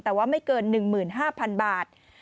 แต่ว่าไม่เกิน๑๕๐๐๐บาท